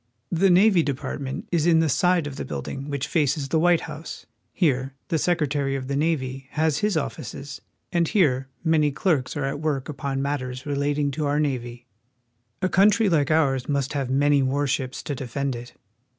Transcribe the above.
The Navy Department is in the side of the building which faces the White House. Here the Secretary of the Navy has his offices, and here many clerks are at work upon matters relating to our navy. A country Hke ours must have many war ships to defend it.